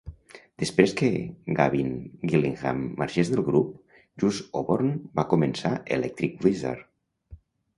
Després que Gavin Gillingham marxés del grup, Jus Oborn va començar Electric Wizard.